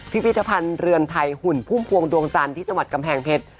พิพิธภัณฑ์เรือนไทยหุ่นพุ่มพวงดวงจันทร์ที่จังหวัดกำแพงเพชร